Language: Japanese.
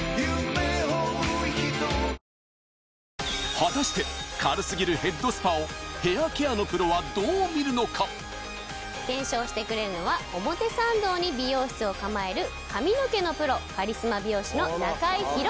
果たして軽すぎるヘッドスパをヘアケアのプロはどう見るのか検証してくれるのは表参道に美容室を構える髪の毛のプロカリスマ美容師の。